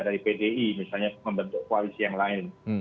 dari pdi misalnya membentuk koalisi yang lain